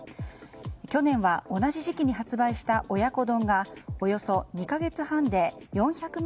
去年は同じ時期に発売した親子丼がおよそ２か月半で４００万